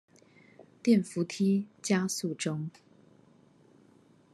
電扶梯加速中